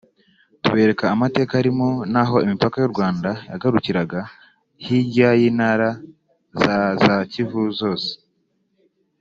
tubereka amateka arimo n’aho imipaka y’u Rwanda yagarukiraga hirya y’intara za za Kivu zombi